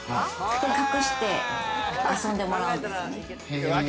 隠して遊んでもらうんです。